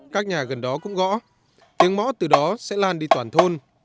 các nhà gần đó cũng gõ tiếng mõ từ đó sẽ lan đi toàn thôn